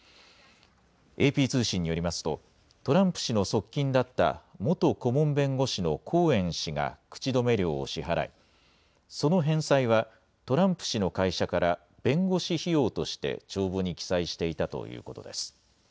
ＡＰ通信によりますと、トランプ氏の側近だった、元顧問弁護士のコーエン氏が口止め料を支払い、その返済は、トランプ氏の会社から弁護士費用として帳簿に記載していたということです。